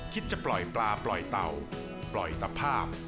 จะปล่อยปลาปล่อยเต่าปล่อยสภาพ